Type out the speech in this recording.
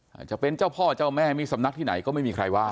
อาจจะเป็นเจ้าพ่อเจ้าแม่มีสำนักที่ไหนก็ไม่มีใครว่า